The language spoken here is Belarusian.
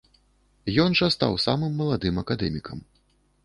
Ён жа стаў самым маладым акадэмікам.